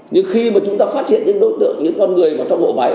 nhưng khi mà chúng ta phát hiện những đối tượng những con người mà trong bộ máy